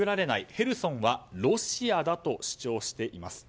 ヘルソンはロシアだと主張しています。